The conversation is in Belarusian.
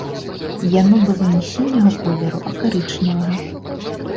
Яно было не сіняга колеру, а карычневага.